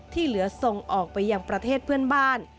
ที่เหลือส่งออกไปยังประเทศเพื่อนบ้าน